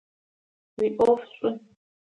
Уиӏоф шӏу!